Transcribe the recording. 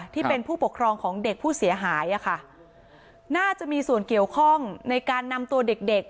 ที่เป็นผู้ปกครองของเด็กผู้เสียหายอ่ะค่ะน่าจะมีส่วนเกี่ยวข้องในการนำตัวเด็กเด็ก